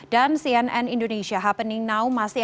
dan cnn indonesia happening now masih